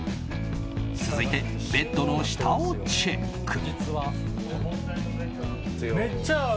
続いて、ベッドの下をチェック。